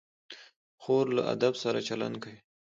خور له ادب سره چلند کوي.